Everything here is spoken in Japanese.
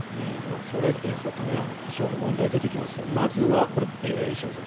将来的にはそういった補償の問題が出てきますがまずはこれ、石山さん